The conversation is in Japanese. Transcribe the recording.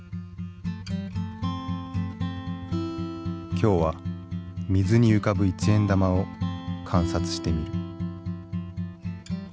今日は水に浮かぶ一円玉を観察してみる。